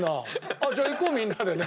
あっじゃあ行こうみんなでね。